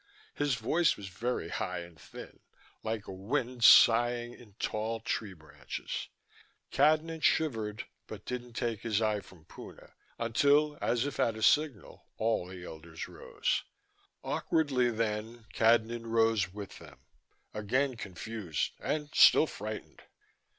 His voice was very high and thin, like a wind sighing in tall tree branches. Cadnan shivered, but didn't take his eye from Puna until, as if at a signal, all the elders rose. Awkwardly, then, Cadnan rose with them, again confused and still frightened.